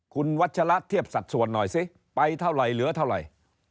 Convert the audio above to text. คุณวัชละเทียบสัดส่วนหน่อยสิไปเท่าไหร่เหลือเท่าไหร่